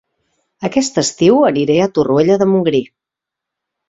Aquest estiu aniré a Torroella de Montgrí